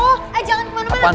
eh jangan kemana mana